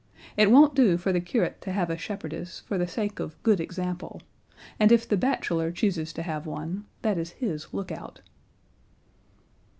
It won't do for the curate to have a shepherdess, for the sake of good example; and if the bachelor chooses to have one, that is his look out."